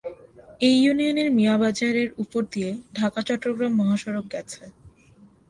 এই ইউনিয়নের মিয়া বাজার এর উপর দিয়ে ঢাকা চট্টগ্রাম মহাসড়ক গেছে।